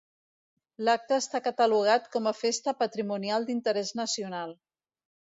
L'acte està catalogat com a Festa patrimonial d'interès nacional.